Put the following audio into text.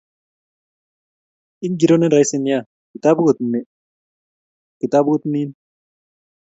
Ingiro ne raisi nea, kitabut ni anan kitabut nini?